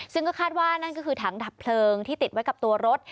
ซึ่งก็คาดว่านั่นก็คือถังดับเพลิงที่ติดไว้กับตัวรถ